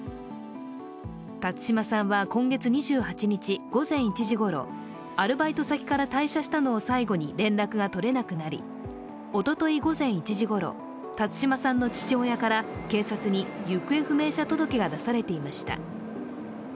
辰島さんは今月２８日午前１時ごろアルバイト先から退社したのを最後に連絡が取れなくなり、おととい午前１時ごろ、辰島さんの父親から警察に行方不明者届が出されていました。